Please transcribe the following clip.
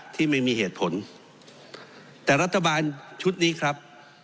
ที่ไม่มีเหตุผลแต่รัฐบาลชุดนี้ครับ